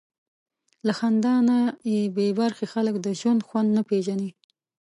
له خندا نه بېبرخې خلک د ژوند خوند نه پېژني.